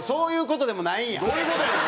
どういう事やねん！